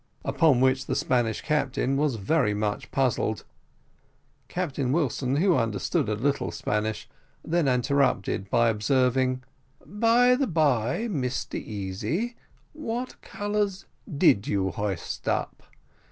Upon which the Spanish captain was very much puzzled. Captain Wilson, who under stood a little Spanish, then interrupted by observing: "By the bye, Mr Easy, what colours did you hoist up?